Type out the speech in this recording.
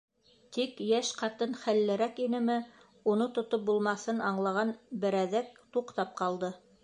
Тик йәш ҡатын хәллерәк инеме, уны тотоп булмаҫын аңлаған берәҙәк туҡтап ҡалды.